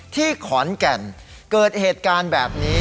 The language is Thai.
ที่ขอนแก่นเกิดเหตุการณ์แบบนี้